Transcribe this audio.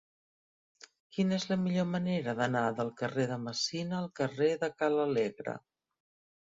Quina és la millor manera d'anar del carrer de Messina al carrer de Ca l'Alegre?